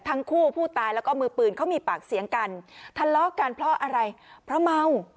ทั้งคู่ผู้ตายแล้วก็มือปืนเขามีปากเสียงกันทะเลาะกันเพราะอะไรเพราะเมา